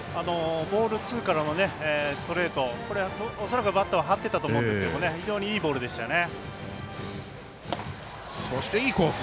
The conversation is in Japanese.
ボールツーからのストレート、これは恐らくバッターは張っていたと思いますが非常にいいボールでしたよね。